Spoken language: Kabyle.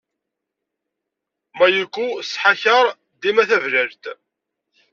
Mayuko tettḥakaṛ dima tablalt.